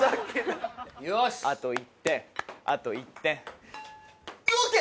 あと１点あと１点！ＯＫ！